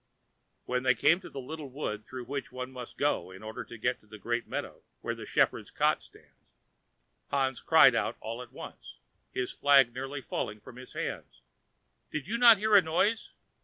When they came to the little wood through which one must go in order to get to the great meadow where the shepherd's cot stands, Hans cried out all at once, his flag nearly falling from his hand: "Did you not hear a noise?"